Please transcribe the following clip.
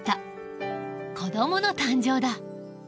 子どもの誕生だ。